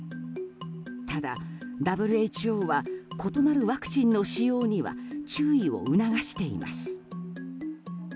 ただ、ＷＨＯは異なるワクチンの使用には注意を促しています。